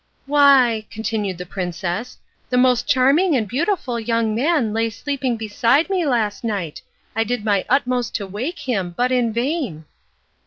"Why," continued the princess, "the most charming and beautiful young man lay sleeping beside me last night. I did my utmost to wake him, but in vain."